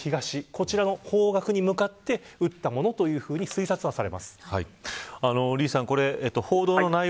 こちらの方角に向けて撃ったものというふうに推測されます。